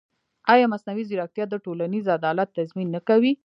ایا مصنوعي ځیرکتیا د ټولنیز عدالت تضمین نه کوي؟